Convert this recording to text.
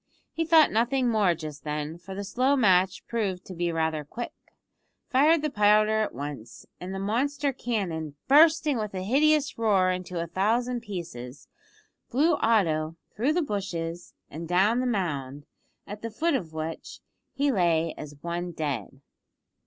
He thought nothing more just then, for the slow match proved to be rather quick, fired the powder at once, and the monster cannon, bursting with a hideous roar into a thousand pieces, blew Otto through the bushes and down the mound, at the foot of which he lay as one dead.